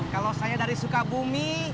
kalau saya dari sukabumi